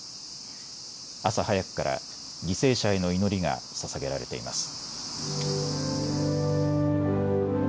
朝早くから犠牲者への祈りがささげられています。